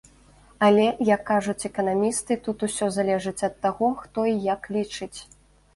Але, як кажуць эканамісты, тут усё залежыць ад таго, хто і як лічыць.